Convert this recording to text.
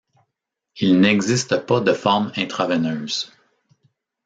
Il n'existe pas de forme intraveineuse.